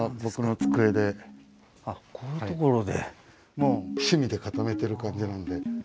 もう趣味で固めてる感じなんで。